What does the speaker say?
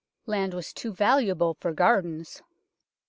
Land was too valuable for gardens.